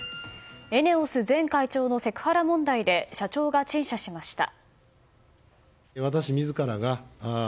前会長のセクハラ問題で社長が陳謝しました。